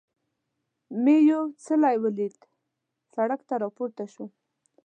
مې یو څلی ولید، سړک ته را پورته شوم.